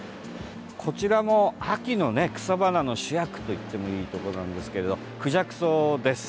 こちらも秋の草花の主役といってもいいところなんですがクジャクソウです。